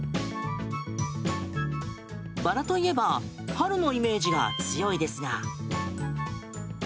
バラといえば春のイメージが強いですが。